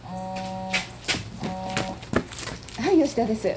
はい吉田です。